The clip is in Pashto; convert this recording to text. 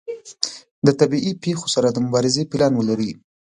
د طبیعي پیښو سره د مبارزې پلان ولري.